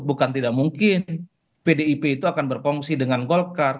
bukan tidak mungkin pdip itu akan berfungsi dengan golkar